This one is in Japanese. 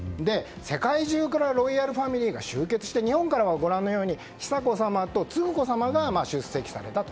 世界中からロイヤルファミリーが集結して、日本からは久子さまと承子さまが出席されたと。